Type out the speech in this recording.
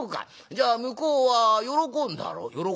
じゃあ向こうは喜んだろ？」。